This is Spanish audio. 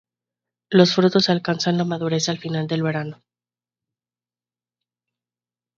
Los frutos alcanzan la madurez al final del verano.